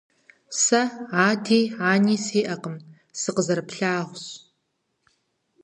Сэ ади ани сиӀэкъым. Сыкъызэрыплъагъущ.